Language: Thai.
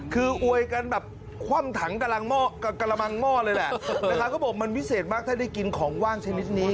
ก็บอกว่ามันวิเศษมากถ้าได้กินของว่างชนิดนี้